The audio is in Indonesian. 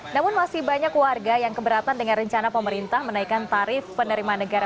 namun masih banyak warga yang keberatan dengan rencana pemerintah menaikkan tarif penerimaan negara